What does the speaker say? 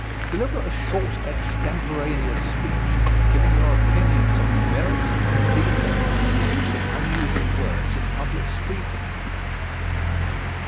Deliver a short extemporaneous speech giving your opinions on the merits and demerits of the use of unusual words in public speaking.